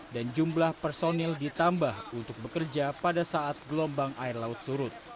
dan jumlah personil ditambah untuk bekerja pada saat gelombang air laut surut